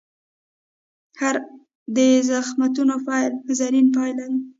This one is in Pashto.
هر د زخمتونو پیل، زرین پای لري.